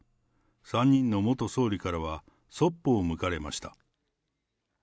３人の元総理からはそっぽを向かれました。